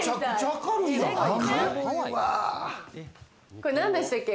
これ何でしたっけ？